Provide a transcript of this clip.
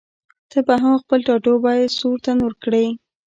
ته به هم خپل ټاټوبی سور تنور کړې؟